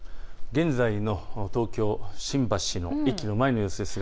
現在の東京新橋の駅の前の様子です。